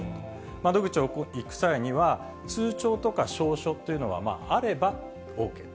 窓口に行く際には、通帳とか証書っていうのは、あればＯＫ。